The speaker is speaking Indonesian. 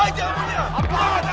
tidak ada apa apa